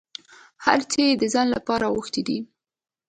هر څه یې د ځان لپاره غوښتي دي.